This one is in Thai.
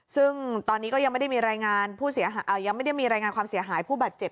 ซึ่งตอนนี้ก็ยังไม่ได้มีรายงานความเสียหายผู้บาดเจ็บ